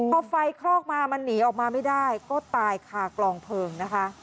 พอไฟคลอกมามันหนีออกมาไม่ได้ก็ตายคากลองเพลิงนะคะ